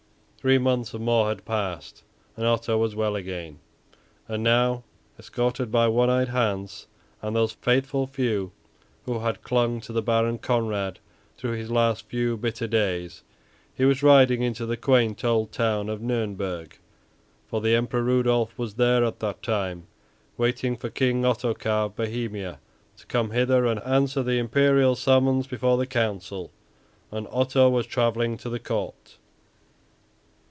Three months and more had passed, and Otto was well again; and now, escorted by One eyed Hans and those faithful few who had clung to the Baron Conrad through his last few bitter days, he was riding into the quaint old town of Nurnburg; for the Emperor Rudolph was there at that time, waiting for King Ottocar of Bohemia to come thither and answer the imperial summons before the Council, and Otto was travelling to the court.